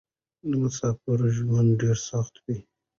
د مسافرو ژوند ډېر سخت وې.